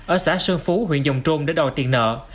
ở xã sơn phú huyện dòng trôn để đòi tiền nợ